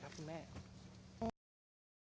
ไม่เคยให้เล่าอะไรไปอ่ะคุณแม่